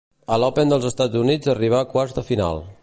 A l'Open dels Estats Units arribà a quarts de final.